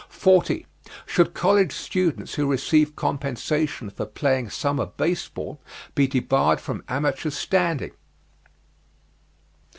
40. Should college students who receive compensation for playing summer baseball be debarred from amateur standing?